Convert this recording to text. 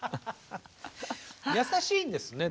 優しいんですね。